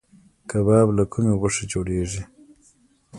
کباب له کومې غوښې جوړیږي؟